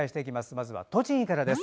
まずは栃木からです。